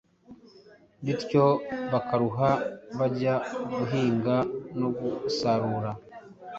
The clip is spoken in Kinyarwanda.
Bityo bakaruha bajya guhinga no gusarura